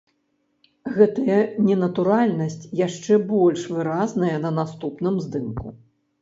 Гэтая ненатуральнасць яшчэ больш выразная на наступным здымку.